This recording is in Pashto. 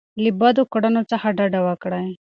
له بدو کړنو څخه ډډه وکړئ.